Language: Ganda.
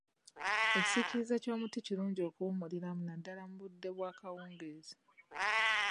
Ekisiikirize ky’omuti kirungi okuwummuliramu naddala mu budde bw'akawungeezi.